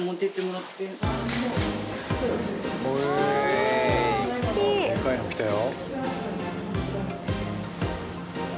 でかいの来たよ。